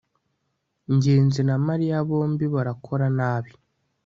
ngenzi na mariya bombi barakora nabi